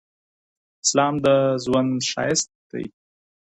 اسلام د ږوند شایست دي